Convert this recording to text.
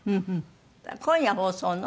今夜放送の？